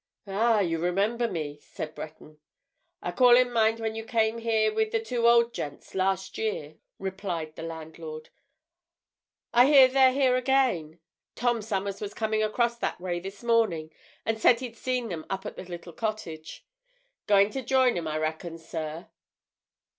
"Ah, you remember me?" said Breton. "I call in mind when you came here with the two old gents last year," replied the landlord. "I hear they're here again—Tom Summers was coming across that way this morning, and said he'd seen 'em at the little cottage. Going to join 'em, I reckon, sir?"